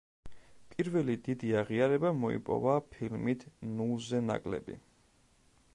პირველი დიდი აღიარება მოიპოვა ფილმით „ნულზე ნაკლები“.